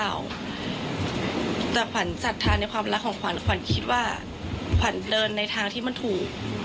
แต่ควรสรรค์ฐานในความรักของขวัญละควัญคิดว่าฝั่นเดินในทางที่มันถูก